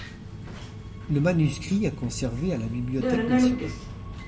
Le manuscrit est conservé à la Bibliothèque nationale.